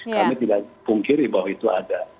kami tidak pungkiri bahwa itu ada